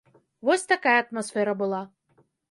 Вось такая атмасфера была.